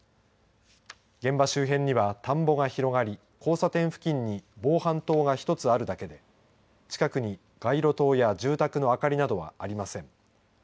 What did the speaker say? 現場周辺には田んぼが広がり交差点付近に防犯灯が１つあるだけで近くに街路灯や住宅の明かりなどはありません。